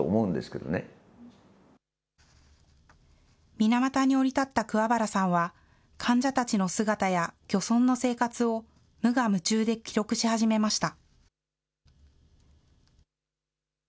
水俣に降り立った桑原さんは、患者たちの姿や漁村の生活を無我夢中で記録し始めました。